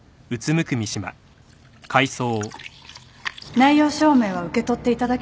内容証明は受け取っていただけました？